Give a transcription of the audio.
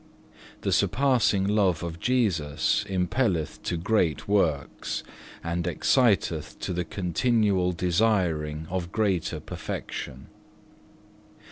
The surpassing love of Jesus impelleth to great works, and exciteth to the continual desiring of greater perfection.